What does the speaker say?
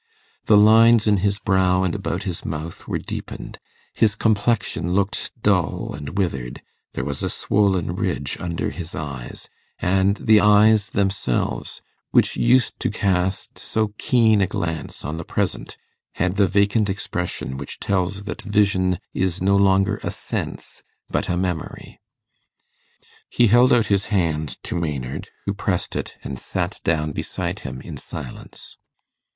The lines in his brow and about his mouth were deepened; his complexion looked dull and withered; there was a swollen ridge under his eyes; and the eyes themselves, which used to cast so keen a glance on the present, had the vacant expression which tells that vision is no longer a sense, but a memory. He held out his hand to Maynard, who pressed it, and sat down beside him in silence.